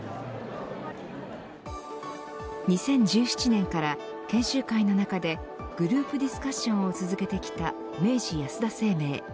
２０１７年から研修会の中でグループディスカッションを続けてきた明治安田生命。